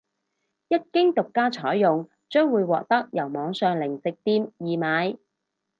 一經獨家採用將會獲得由網上零食店易買